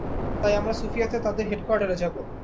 তাই আমিরা সুফিয়াতে তাদের হেডকোয়ার্টারে যাবো।